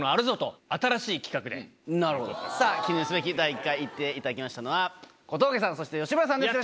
なるほど記念すべき第１回行っていただきましたのは小峠さんそして吉村さんです。